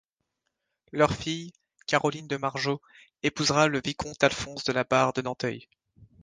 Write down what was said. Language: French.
Leur fille, Caroline de Margeot, épousera le vicomte Alphonse de La Barre de Nanteuil.